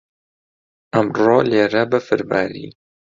ئەمڕۆ لێرە بەفر باری.